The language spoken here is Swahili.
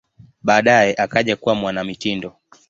Baadaye akaja kuwa mwanamitindo.